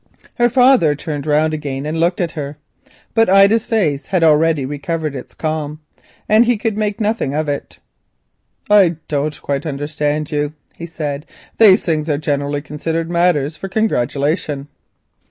Her father turned round again and looked at her. But Ida's face had already recovered its calm, and he could make nothing of it. "I don't quite understand you," he said; "these things are generally considered matters for congratulation."